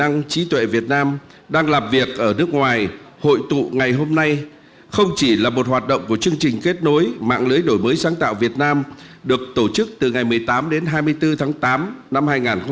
sở hữu trí tuệ việt nam đang làm việc ở nước ngoài hội tụ ngày hôm nay không chỉ là một hoạt động của chương trình kết nối mạng lưới đổi mới sáng tạo việt nam được tổ chức từ ngày một mươi tám đến hai mươi bốn tháng tám năm hai nghìn một mươi chín